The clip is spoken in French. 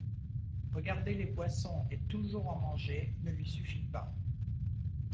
Regarder les poissons et toujours en manger ne lui suffit pas.